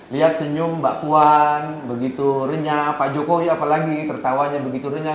lihat senyum mbak puan begitu renyah pak jokowi apalagi tertawanya begitu renyah